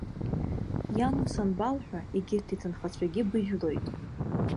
Иан ус анбалҳәа, егьырҭ иҭынхацәагьы быжәлоит.